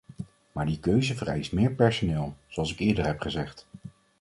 Maar die keuze vereist meer personeel, zoals ik eerder heb gezegd.